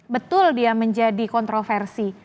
betul dia menjadi kontroversi